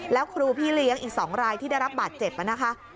แล้วครูพี่เลี้ยงอีก๒รายที่ได้รับบาดเจ็บนะคะ